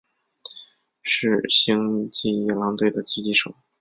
是星际野狼队的狙击手。